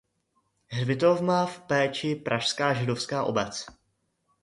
Hřbitov má v péči pražská židovská obec.